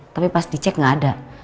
tapi pas dicek nggak ada